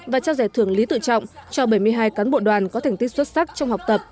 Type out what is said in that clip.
và trao giải thưởng lý tự trọng cho bảy mươi hai cán bộ đoàn có thành tích xuất sắc trong học tập